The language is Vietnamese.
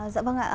dạ vâng ạ